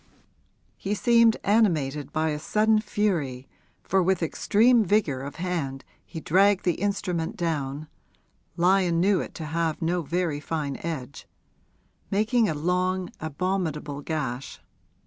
He seemed animated by a sudden fury, for with extreme vigour of hand he dragged the instrument down (Lyon knew it to have no very fine edge) making a long, abominable gash.